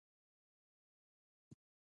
مګر که دلته مولنا موجود وي.